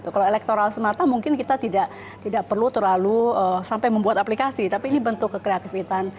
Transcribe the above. kalau elektoral semata mungkin kita tidak perlu terlalu sampai membuat aplikasi tapi ini bentuk kekreativitas